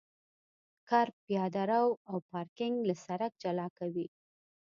کرب پیاده رو او پارکینګ له سرک جلا کوي